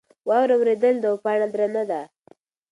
واوره ورېدلې ده او پاڼه درنه ده.